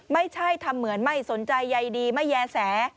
ไม่ใช่ทำเหมือนไม่สนใจใยดีไม่แย้แส